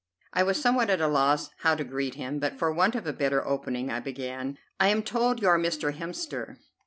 I was somewhat at a loss how to greet him, but for want of a better opening I began: "I am told you are Mr. Hemster."